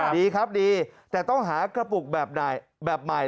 ดีครับดีแต่ต้องหากระปุกแบบใหม่